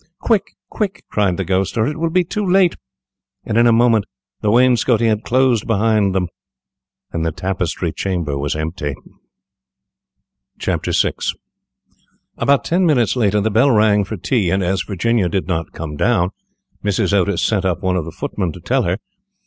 "Quick, quick," cried the Ghost, "or it will be too late," and in a moment the wainscoting had closed behind them, and the Tapestry Chamber was empty. [Illustration: "THE GHOST GLIDED ON MORE SWIFTLY"] VI About ten minutes later, the bell rang for tea, and, as Virginia did not come down, Mrs. Otis sent up one of the footmen to tell her.